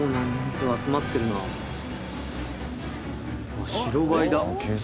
あっ白バイだ。